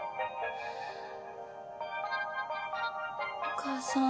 お母さん。